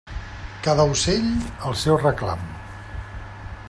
Cada ocell el seu reclam.